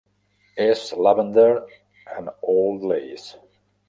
És "Lavender and Old Lace".